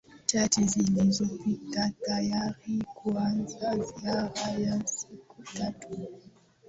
chache zilizopita tayari kuanza ziara ya siku tatu